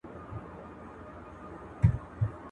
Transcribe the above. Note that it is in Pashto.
د اوښ غلا په چوغه نه کېږي.